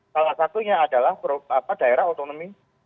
salah satunya adalah daerah otonomi